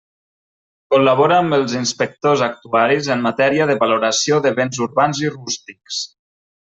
Col·labora amb els inspectors actuaris en matèria de valoració de béns urbans i rústics.